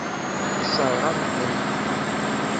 Tessṛeɣ-am-tent.